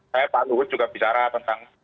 saya pak luhut juga bicara tentang